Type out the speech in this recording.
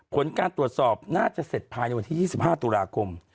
ผลการตรวจสอบน่าจะเสร็จภายในวันที่๒๕ตุลาคม